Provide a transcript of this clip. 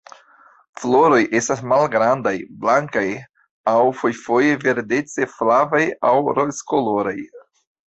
Floroj estas malgrandaj, blankaj aŭ fojfoje verdece-flavaj aŭ rozkoloraj.